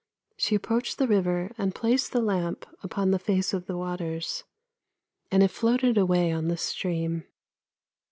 She approached the river and placed the lamp upon the face of the waters, and it floated away on the stream.